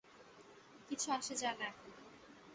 কিছু আসে যায় না এখন।